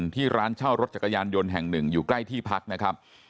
ที่ร้านเช่ารถจักรยานยนต์แห่งหนึ่งอยู่ใกล้ที่พักนะครับ